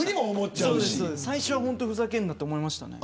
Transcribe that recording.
最初は本当にふざけんなと思いました。